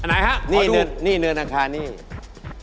อันไหนคะปอดดู